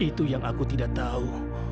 itu yang aku tidak tahu